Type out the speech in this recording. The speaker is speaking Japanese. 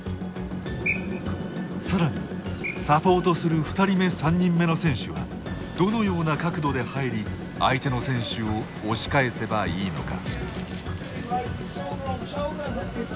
さらにサポートする２人目、３人目の選手はどのような角度で入り相手の選手を押し返せばいいのか。